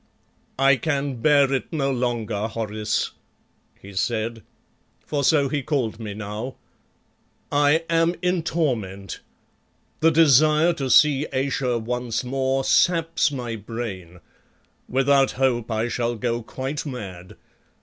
"I can bear it no longer, Horace," he said for so he called me now "I am in torment. The desire to see Ayesha once more saps my brain. Without hope I shall go quite mad.